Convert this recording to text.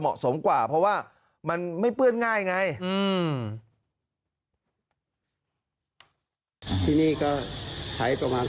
เหมาะสมกว่าเพราะว่ามันไม่เปื้อนง่ายไงที่นี่ก็ใช้ประมาณ